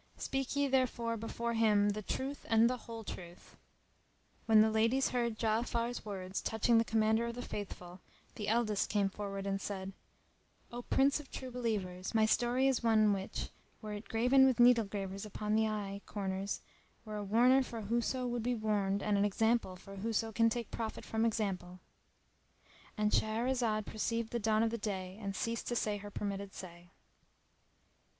Speak ye therefore before him the truth and the whole truth!" When the ladies heard Ja afar's words touching the Commander of the Faithful, the eldest came forward and said, "O Prince of True Believers, my story is one which, were it graven with needle gravers upon the eye corners were a warner for whoso would be warned and an example for whoso can take profit from example."—And Shahrazad perceived the dawn of day and ceased to say her permitted say.